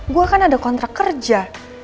gue kan ada kontrak kerja